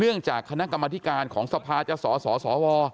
เนื่องจากคณะกรรมธิการของศัพท์จจสศว